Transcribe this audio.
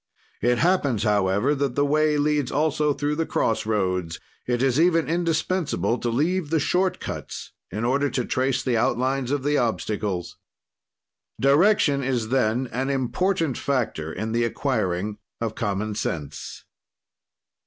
It happens, however, that the way leads also through the cross roads; it is even indispensable to leave the short cuts in order to trace the outline of the obstacles. Direction is, then, an important factor in the acquiring of common sense.